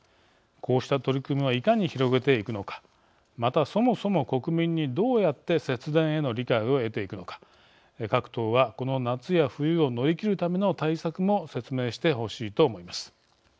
こうした取り組みをいかに広げていくのかまた、そもそも国民にどうやって節電への理解を得ていくのか各党はこの夏や冬を乗り切るための対策も説明してほしいと思います。